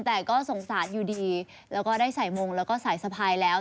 แต่ก็สงสารอยู่ดีแล้วก็ได้ใส่มงแล้วก็สายสะพายแล้ว